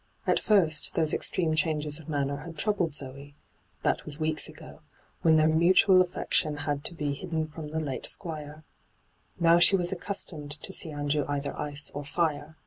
At first those extreme changes of manner had troubled Zoe ; that was weeks ago, when their mutual afiection had to be hyGoo>^lc ENTRAPPED 119 hidden from the late Squire, Now she was accustomed to see Andrew either ice or fire.